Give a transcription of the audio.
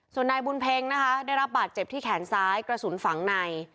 ส่วนนายบุญเพ็งนะคะได้รับบาดเจ็บที่แขนซ้ายกระสุนฝังใน